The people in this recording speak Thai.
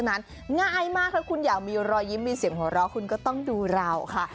ง่ายมากถ้าคุณอยากมีรอยยิ้มมีเสียงหัวเราะคุณก็ต้องดูเราค่ะ